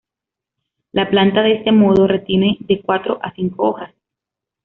La planta de este modo retiene de cuatro a cinco hojas.